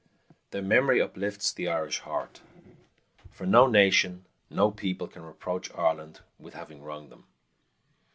Their memory uplifts the Irish heart; for no nation, no people, can reproach Ireland with having wronged them.